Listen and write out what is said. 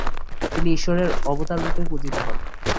তিনি ঈশ্বরের অবতাররূপে পূজিত হন।